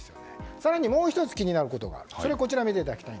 更にもう１つ気になることがある。